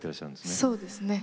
そうですね。